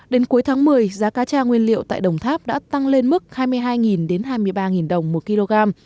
đến cuối tháng một mươi giá cá tra nguyên liệu tại đồng tháp đã tăng lên mức hai mươi hai hai mươi ba đồng một kg